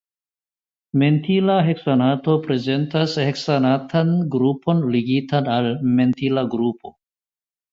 Mentila heksanato prezentas heksanatan grupon ligitan al mentila grupo.